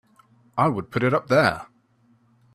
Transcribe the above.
I would put it up there!